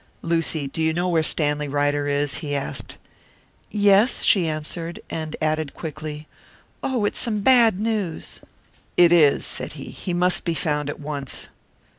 "Lucy, do you know where Stanley Ryder is?" he asked. "Yes," she answered, and added quickly, "Oh! it's some bad news!" "It is," said he. "He must be found at once."